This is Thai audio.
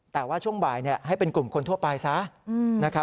แต่ว่าช่วงบ่ายให้เป็นกลุ่มคนทั่วไปซะ